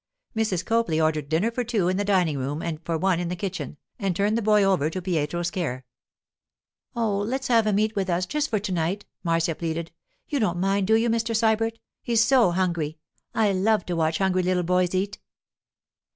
Mrs. Copley ordered dinner for two in the dining room and for one in the kitchen, and turned the boy over to Pietro's care. 'Oh, let's have him eat with us, just for to night.' Marcia pleaded. 'You don't mind, do you, Mr. Sybert? He's so hungry; I love to watch hungry little boys eat.